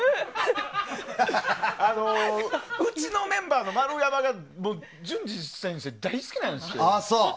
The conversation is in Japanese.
うちのメンバーの丸山が淳二先生大好きなんですよ。